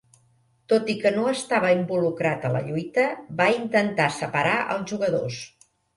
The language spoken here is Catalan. Tot i que no estava involucrat a la lluita, va intentar separar als jugadors.